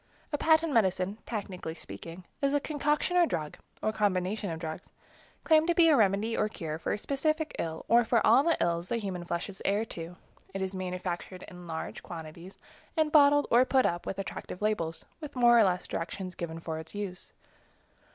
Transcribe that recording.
A patent medicine, technically speaking, is a concoction or drug, or combination of drugs, claimed to be a remedy or cure for a specific ill or for all of the ills that the human flesh is heir to. It is manufactured in large quantities, and bottled or put up with attractive labels, with more or less directions given for its use.